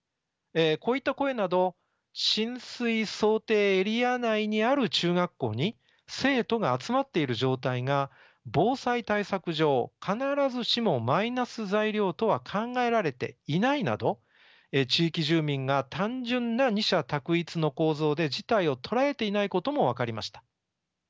こういった声など浸水想定エリア内にある中学校に生徒が集まっている状態が防災対策上必ずしもマイナス材料とは考えられていないなど地域住民が単純な二者択一の構造で事態を捉えていないことも分かりました。